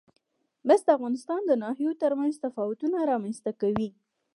مس د افغانستان د ناحیو ترمنځ تفاوتونه رامنځ ته کوي.